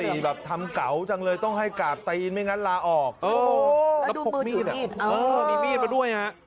ม๔แบบทำเก๋าจังเลยต้องให้กราบเท้าซะไม่งั้นลาออกเออมีมีดก็ด้วยฮะ